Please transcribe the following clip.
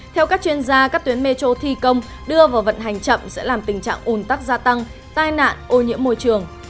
theo các chuyên gia các tuyến metro thi công đưa vào vận hành chậm sẽ làm tình trạng ủn tắc gia tăng tai nạn ô nhiễm môi trường